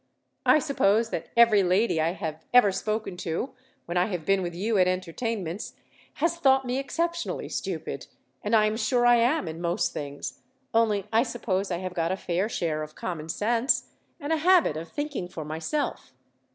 I suppose that every lady I have ever spoken to, when I have been with you at entertainments, has thought me exceptionally stupid; and I am sure I am, in most things, only I suppose I have got a fair share of common sense, and a habit of thinking for myself.